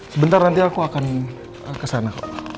sebentar nanti aku akan kesana